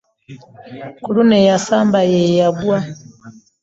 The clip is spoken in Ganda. Ku luno eyasamba ye yagwa.